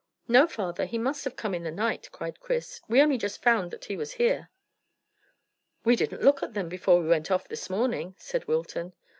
"No, father; he must have come in the night," cried Chris. "We only just found that he was here." "We didn't look at them before we went off this morning," said Wilton.